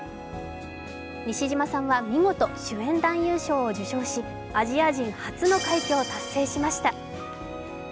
西島さんは見事、主演男優賞を受賞し、アジア人初の快挙を達成しました。